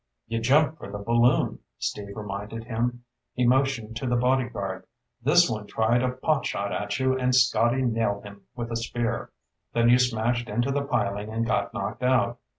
"You jumped for the balloon," Steve reminded him. He motioned to the bodyguard. "This one tried a pot shot at you and Scotty nailed him with a spear. Then you smashed into the piling and got knocked out.